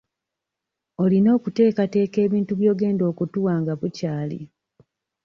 Olina okuteekateeka ebintu by'ogenda okutuwa nga bukyali.